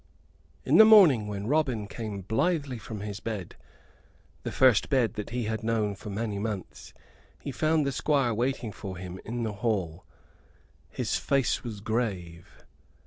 In the morning when Robin came blithely from his bed the first bed that he had known for many months he found the Squire waiting for him in the hall. His face was grave.